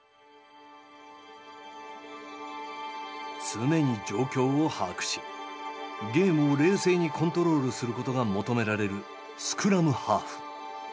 常に状況を把握しゲームを冷静にコントロールすることが求められるスクラムハーフ。